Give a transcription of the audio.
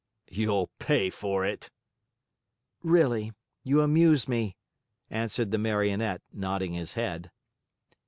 "You'll pay for it!" "Really, you amuse me," answered the Marionette, nodding his head.